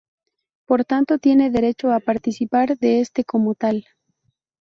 Por tanto tiene derecho a participar de este como tal.